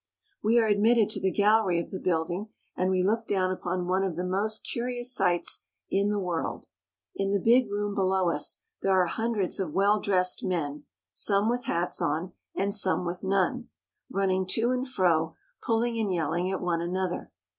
We are admitted to the gallery of the building, and we look down upon one of the most curious sights in the world. In the big room below us there are hundreds of well dressed men, some with hats on, and some with none, running to and fro, pulling and yelling at one another.